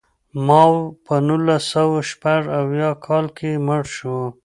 ماوو په نولس سوه شپږ اویا کال کې مړ شو.